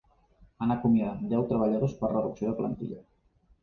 Han acomiadat deu treballadors per reducció de plantilla.